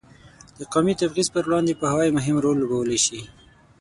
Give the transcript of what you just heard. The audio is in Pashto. د قومي تبعیض پر وړاندې پوهاوی مهم رول لوبولی شي.